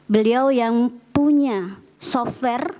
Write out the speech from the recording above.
beliau yang punya software